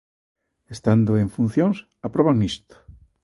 Estando en funcións, aproban isto.